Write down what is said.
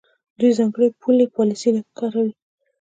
دوی ځانګړې پولي پالیسۍ کاروي.